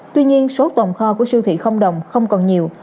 tuy nhiên số tồn kho của siêu thị không đồng không còn nhiều